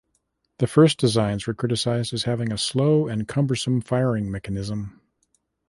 The first designs were criticized as having a slow and cumbersome firing mechanism.